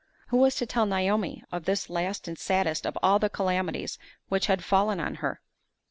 Who was to tell Naomi of this last and saddest of all the calamities which had fallen on her?